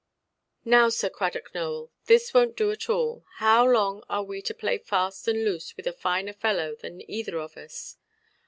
"Now, Sir Cradock Nowell, this wonʼt do at all. How long are we to play fast and loose with a finer fellow than either of us"?